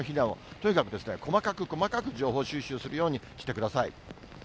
とにかく細かく細かく情報収集するようにしてください。